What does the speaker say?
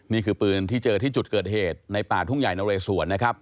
นี่คือปืนที่เจอที่จุดเกิดเหตุในป่าทุ่งใหญ่นเรสวนนะครับ